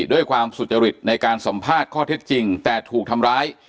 ด้วยความสุจริตในการสัมภาษณ์ข้อเท็จจริงแต่ถูกทำร้าย